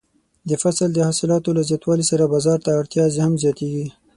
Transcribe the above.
د فصل د حاصلاتو له زیاتوالي سره بازار ته اړتیا هم زیاتیږي.